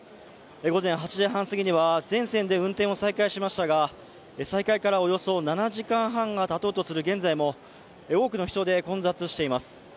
午前８時半すぎには全線で運転を再開しましたが、再会からおよそ７時間半がたとうとする現在も多くの人で混雑しています。